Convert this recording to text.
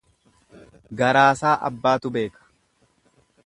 Garaasaa abbaatu beeka.